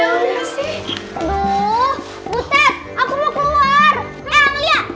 eh lo kita mau keluar